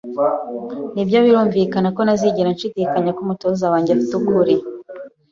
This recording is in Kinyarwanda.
Nibyo, birumvikana ko ntazigera nshidikanya ko umutoza wanjye afite ukuri.